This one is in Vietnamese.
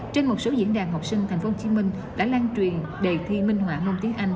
trên một số diễn đàn học sinh tp hcm đã lan truyền đề thi minh họa môn tiếng anh